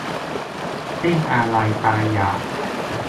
สิ้นอาลัยตายอยาก